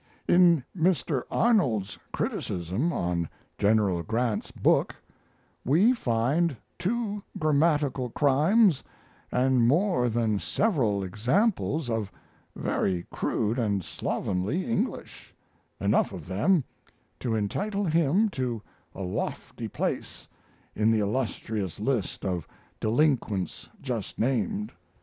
In Mr. Arnold's criticism on General Grant's book we find two grammatical crimes and more than several examples of very crude and slovenly English, enough of them to entitle him to a lofty place in the illustrious list of delinquents just named.